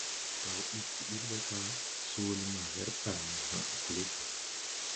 Raw diggi ɓil ɓɛ ga soole ma wɛr Bale mo hãʼ kluu.